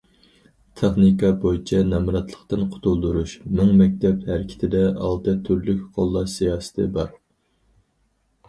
تېخنىكا بويىچە نامراتلىقتىن قۇتۇلدۇرۇش مىڭ مەكتەپ ھەرىكىتىدە ئالتە تۈرلۈك قوللاش سىياسىتى بار.